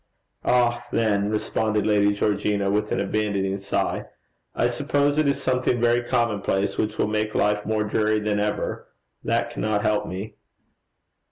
'Ah then,' responded Lady Georgina, with an abandoning sigh, 'I suppose it is something very commonplace, which will make life more dreary than ever. That cannot help me.'